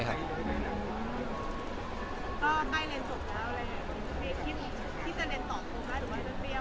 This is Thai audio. ก็ใกล้เรียนจบแล้วมีคิดอีกที่จะเรียนต่อโทรภาคหรือว่า